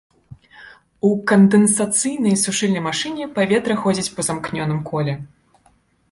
У кандэнсацыйнай сушыльнай машыне паветра ходзіць па замкнёным коле.